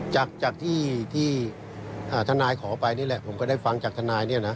จากที่ทนายขอไปนี่แหละผมก็ได้ฟังจากทนายเนี่ยนะ